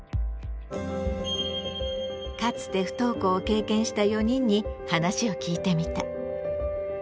かつて不登校を経験した４人に話を聞いてみた。